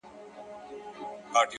د طبیعت په تقاضاوو کي یې دل و ول کړم _